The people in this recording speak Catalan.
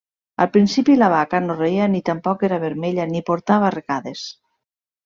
Al principi la vaca no reia ni tampoc era vermella ni portava arracades.